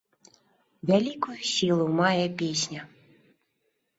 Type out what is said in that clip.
Вялікую сілу мае песня.